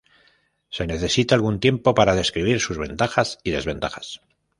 Se necesita algún tiempo para describir sus ventajas y desventajas.